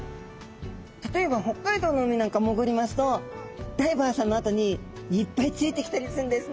例えば北海道の海なんか潜りますとダイバーさんのあとにいっぱいついてきたりするんですね。